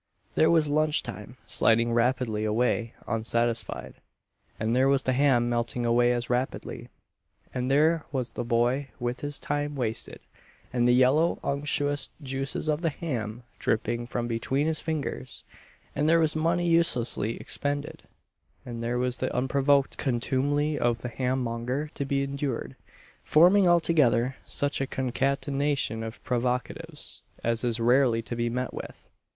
There was lunch time sliding rapidly away unsatisfied; and there was the ham melting away as rapidly; and there was the boy with his time wasted, and the yellow unctuous juices of the ham dripping from between his fingers; and there was money uselessly expended; and there was the unprovoked contumely of the ham monger to be endured forming altogether such a concatenation of provocatives as is rarely to be met with.